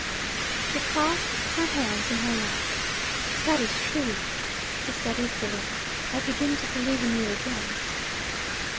She clasped her hands in her lap. 'That is true!' she said eagerly. 'I begin to believe in you again.'